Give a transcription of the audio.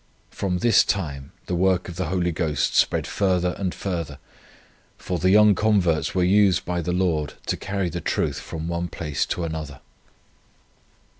From this time the work of the Holy Ghost spread further and further; for the young converts were used by the Lord to carry the truth from one place to another.